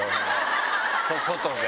外で。